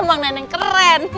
iya emang nenek keren baru tau